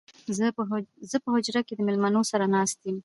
زه په حجره کې د مېلمنو سره ناست يم